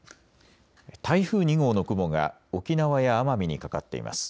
台風２号の雲が沖縄や奄美にかかっています。